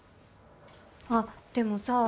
あっでもさ